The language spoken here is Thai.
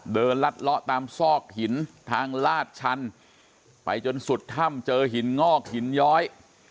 ลัดเลาะตามซอกหินทางลาดชันไปจนสุดถ้ำเจอหินงอกหินย้อย